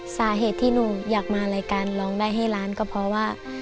สาเหตุที่หนูอยากมารายการร้องได้ให้ล้านก็เพราะว่า